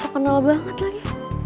sok kenal banget lagi